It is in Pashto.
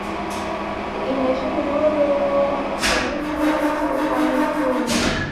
د انرژي د نورو ډولونو غوندې د تودوخې اندازه کولو واحد ژول دی.